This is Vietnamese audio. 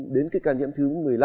đến cái ca nhiễm thứ một mươi năm